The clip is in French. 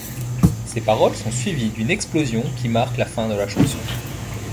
Ces paroles sont suivies d'une explosion qui marque la fin de la chanson.